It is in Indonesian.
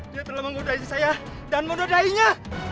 dia telah mengodainya saya dan mengodainya